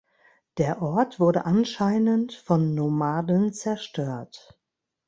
Der Ort wurde anscheinend von Nomaden zerstört.